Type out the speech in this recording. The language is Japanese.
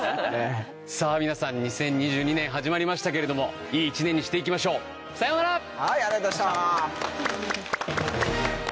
さぁ皆さん２０２２年始まりましたけれどもいい一年にして行きましょうさようなら！